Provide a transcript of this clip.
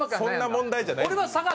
そんな問題じゃないです。